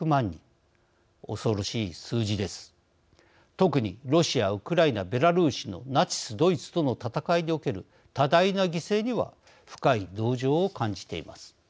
特にロシアウクライナベラルーシのナチスドイツとの戦いにおける多大な犠牲には深い同情を感じています。